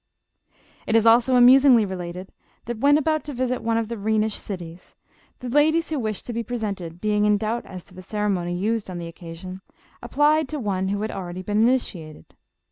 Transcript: It is also amusingly related that when about to visit one of the Rhenish cities, the ladies who wished to be presented being in doubt as to the ceremony used on the occasion, applied to one who had already been initia ted.